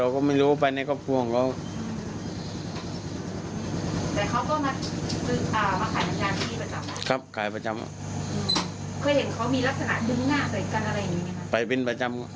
ครับ